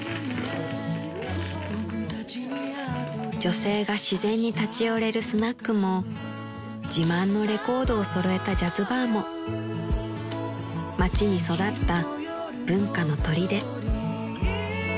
［女性が自然に立ち寄れるスナックも自慢のレコードを揃えたジャズバーも街に育った文化のとりで］